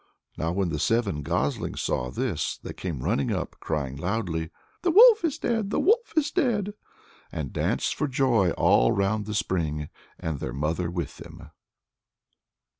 Now when the seven goslings saw this, they came running up, crying loudly, "The wolf is dead, the wolf is dead!" and danced for joy all round the spring, and their mother with them.